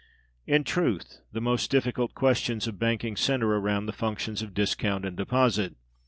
In truth, the most difficult questions of banking center around the functions of discount and deposit.